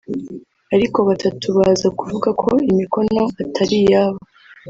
ariko batatu baza kuvuga ko imikono atari yabo